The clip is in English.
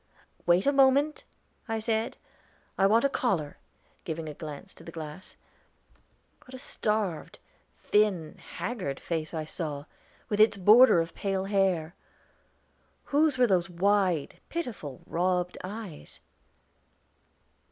"Wait a moment," I said, "I want a collar," giving a glance into the glass. What a starved, thin, haggard face I saw, with its border of pale hair! Whose were those wide, pitiful, robbed eyes?